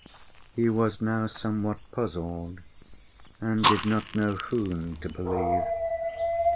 He was now somewhat puzzled and did not know whom to believe.